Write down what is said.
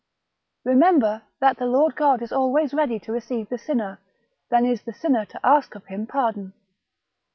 Bememher that the Lord God is always more ready to receive the sinner than is the sinner to ask of Him pardon.